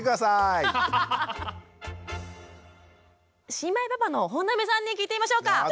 新米パパの本並さんに聞いてみましょうか。